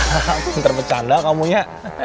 hahaha bentar bercanda kamu ya